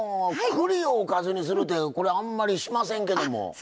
栗をおかずにするってあんまりしませんけども。